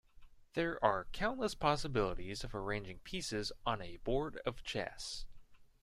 There are countless possibilities of arranging pieces on a board of chess.